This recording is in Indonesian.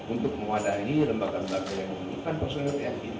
untuk mewadahi lembaga lembaga yang bukan personil tni itu disitu